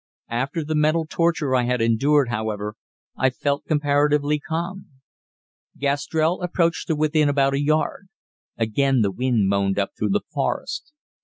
After the mental torture I had endured, however, I felt comparatively calm. Gastrell approached to within about a yard. Again the wind moaned up through the forest.